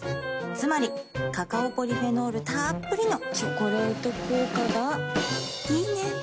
つまりカカオポリフェノールたっぷりの「チョコレート効果」がいいね。